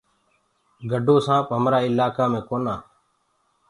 گَڊو سآنپ مهرآ ايِلآڪآ مي ڪونآ۔